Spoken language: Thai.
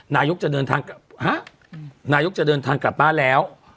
นายกจะเดินทางกลับฮะนายกจะเดินทางกลับบ้านแล้ว